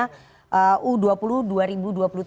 publik kan menuding bahwa dua kader anda dua kader pdi perjuangan